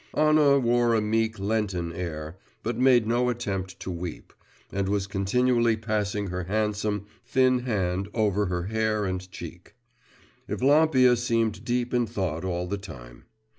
Anna wore a meek, Lenten air, but made no attempt to weep, and was continually passing her handsome, thin hand over her hair and cheek. Evlampia seemed deep in thought all the time.